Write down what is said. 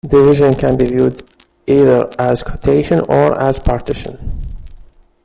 Division can be viewed either as quotition or as partition.